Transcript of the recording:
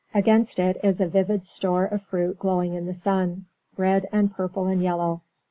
Against it is a vivid store of fruit glowing in the sun, red and purple and yellow.